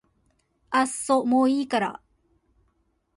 あっそもういいから